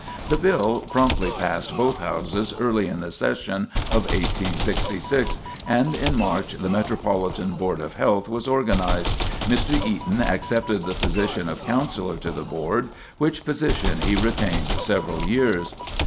The bill promptly passed both houses early in the session of 1866, and in March the Metropolitan Board of Health was organized. Mr. Eaton accepted the position of counsellor to the board, which position he retained several years.